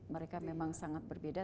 mereka memang sangat berbeda